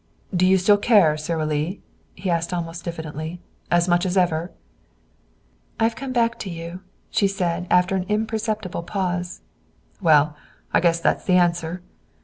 "Do you still care, Sara Lee?" he asked almost diffidently. "As much as ever?" "I have come back to you," she said after an imperceptible pause. "Well, I guess that's the answer."